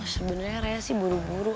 sebenernya raya sih buru buru om